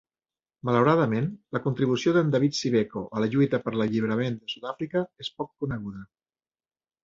Malauradament, la contribució d'en David Sibeko a la lluita per l'alliberament de Sud-Àfrica és poc coneguda.